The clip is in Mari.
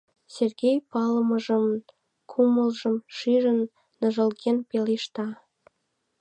Сергей, палымыжын кумылжым шижын, ныжылгын пелешта: